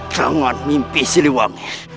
jangan mimpi sirewangi